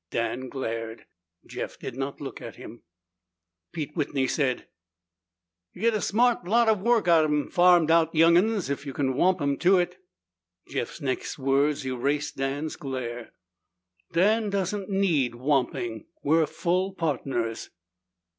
Dan glared. Jeff did not look at him. Pete Whitney said, "You git a smart lot of work out'en a farmed out young'un if you whomp him to it." Jeff's next words erased Dan's glare. "Dan doesn't need 'whomping.' We're full partners."